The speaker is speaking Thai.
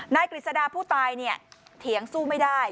กฤษดาผู้ตายเนี่ยเถียงสู้ไม่ได้